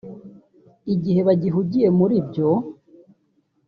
Igihe bagihugiye muri ibyo